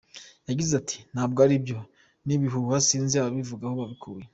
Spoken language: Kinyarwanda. Yagize ati “Ntabwo aribyo, ni ibihuha sinzi ababivuze aho babikuye”.